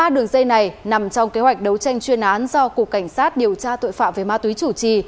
ba đường dây này nằm trong kế hoạch đấu tranh chuyên án do cục cảnh sát điều tra tội phạm về ma túy chủ trì